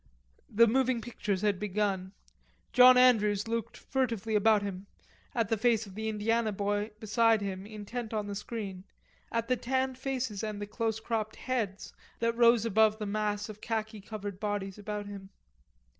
" The moving pictures had begun. John Andrews looked furtively about him, at the face of the Indiana boy beside him intent on the screen, at the tanned faces and the close cropped heads that rose above the mass of khaki covered bodies about him.